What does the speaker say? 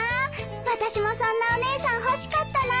私もそんなお姉さん欲しかったな。